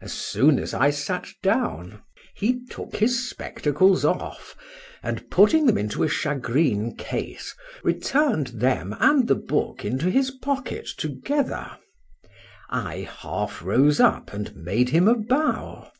As soon as I sat down, he took his spectacles off, and putting them into a shagreen case, return'd them and the book into his pocket together. I half rose up, and made him a bow.